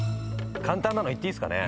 簡単なのいっていいっすかね。